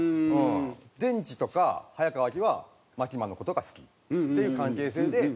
デンジとか早川アキはマキマの事が好きっていう関係性で。